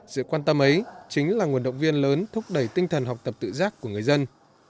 sự quan tâm ấy chính là nguồn động viên lớn thúc đẩy tinh thần học tập tự giác của người dân